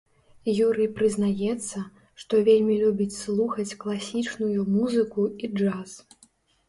Юрый прызнаецца, што вельмі любіць слухаць класічную музыку і джаз.